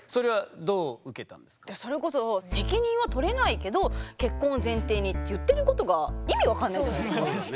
それこそ「責任は取れないけど結婚を前提に」って言ってることが意味分かんないじゃないですか。